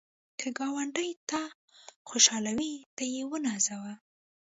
که ګاونډي ته خوشحالي وي، ته یې ونازوه